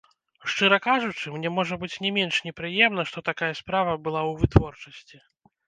Шчыра кажучы, мне, можа быць, не менш непрыемна, што такая справа была ў вытворчасці.